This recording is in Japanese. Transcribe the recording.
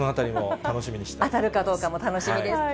当たるかどうかも楽しみです。